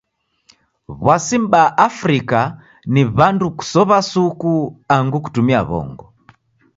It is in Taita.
W'asi mbaa Afrika ni w'andu kusow'a suku angu kutumia w'ongo.